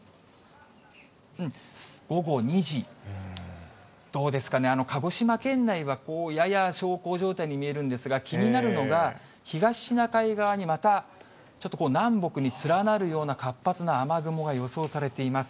午後２時、どうですかね、鹿児島県内はやや小康状態に見えるんですが、気になるのが、東シナ海側にまた、ちょっと南北に連なるような活発な雨雲が予想されています。